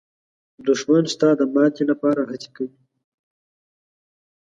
دښمن ستا د ماتې لپاره هڅې کوي